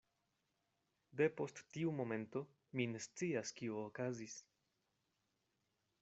Depost tiu momento, mi ne scias, kio okazis.